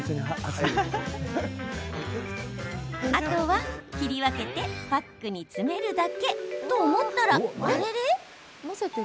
あとは、切り分けてパックに詰めるだけと思ったら、あれ？